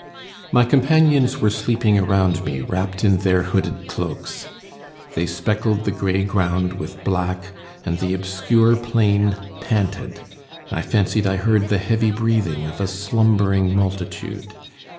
My companions were sleeping around me, wrapped in their hooded cloaks; they speckled the grey ground with black, and the obscure plain panted; I fancied I heard the heavy breathing of a slumbering multitude.